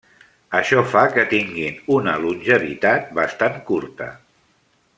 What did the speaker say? Això fa que tinguin una longevitat bastant curta.